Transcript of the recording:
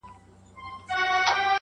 او دا هغه ځای دی